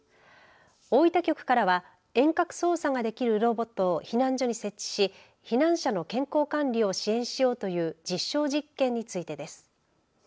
大分局からは遠隔操作ができるロボットを避難所に設置し、避難者の健康管理を支援しようという実証実験についてです。